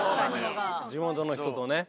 地元の人とね。